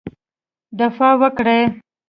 دفاع وکړی.